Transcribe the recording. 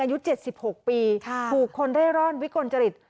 อายุ๗๖ปีถูกคนเร่ร่อนวิกลจริต